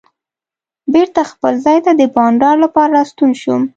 بېرته خپل ځای ته د بانډار لپاره راستون شوم.